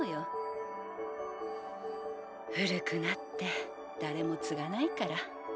古くなって誰も継がないから。